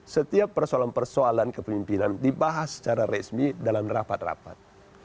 setiap persoalan persoalan kepemimpinan dibahas secara resmi dalam rapat rapat